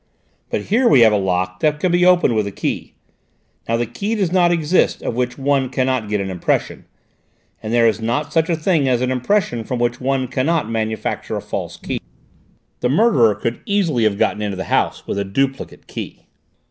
But here we have a lock that can be opened with a key. Now the key does not exist of which one cannot get an impression, and there is not such a thing as an impression from which one cannot manufacture a false key. The murderer could easily have got into the house with a duplicate key."